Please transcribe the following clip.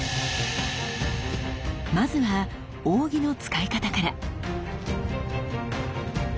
まずは扇の使い方から。